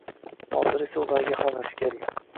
Hozir esa ularga havasi keldi